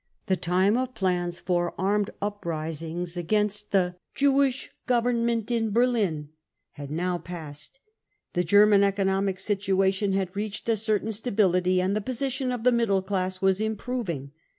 The time of plans for armed uprisings against the 44 Jewish government in Berlin 33 had now passed. The German economic situation had reached a certain stability, and the position of the middle class was improving.